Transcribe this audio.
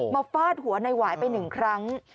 ฟาดหัวในหวายไปหนึ่งครั้ง